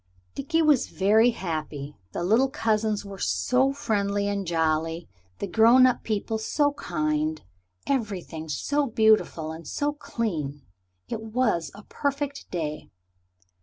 Dickie was very happy. The little cousins were so friendly and jolly, the grown up people so kind everything so beautiful and so clean. It was a perfect day.